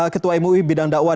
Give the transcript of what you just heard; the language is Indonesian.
ketua mui bidang dakwah